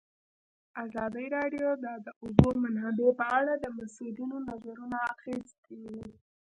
ازادي راډیو د د اوبو منابع په اړه د مسؤلینو نظرونه اخیستي.